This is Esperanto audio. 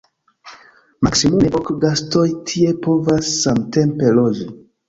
Maksimume ok gastoj tie povas samtempe loĝi.